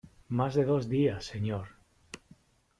¡ más de dos días, señor!